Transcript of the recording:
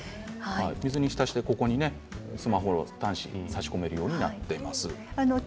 水に浸してスマホの端子が差し込めるようになっています。